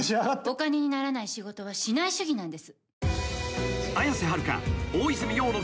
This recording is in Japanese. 「お金にならない仕事はしない主義なんです」